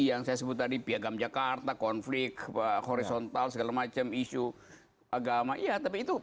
yang saya sebut tadi piagam jakarta konflik horizontal segala macam isu agama iya tapi itu